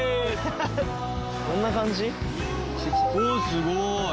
すごい！